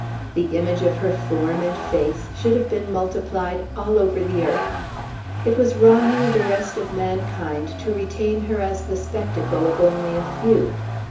The image of her form and face should have been multiplied all over the earth. It was wronging the rest of mankind to retain her as the spectacle of only a few.